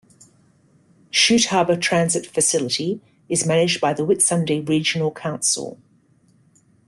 Shute Harbour Transit Facility is managed by the Whitsunday Regional Council.